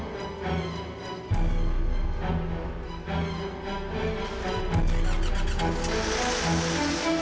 bukan musuh kamu dan sama sekali tidak ada hubungan dengan kamu kerja di sana